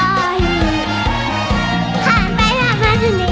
ผ่านไปแผ่นมาทะนี้